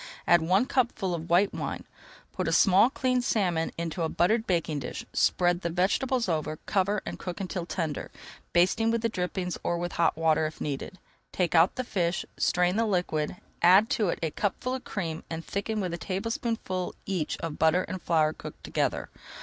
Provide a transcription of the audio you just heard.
Add one cupful of white wine, put a small cleaned salmon into a buttered baking dish, spread the vegetables over, cover, and cook until tender, basting with the drippings or with hot water if needed. Take out the fish, strain the liquid, add to it a cupful of cream and thicken with a tablespoonful each of butter and flour cooked together.